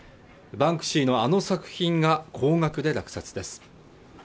バンクシーのあの作品が高額で落札です